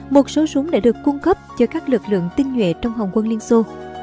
một số súng đã được cung cấp cho các lực lượng tinh nhuệ trong hồng quân liên xô